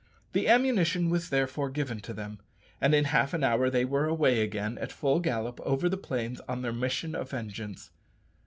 The ammunition was therefore given to them, and in half an hour they were away again at full gallop over the plains on their mission of vengeance.